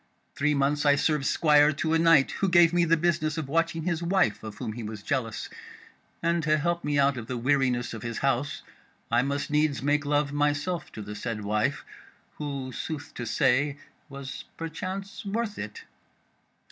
Three months I served squire to a knight who gave me the business of watching his wife of whom he was jealous; and to help me out of the weariness of his house I must needs make love myself to the said wife, who sooth to say was perchance worth it.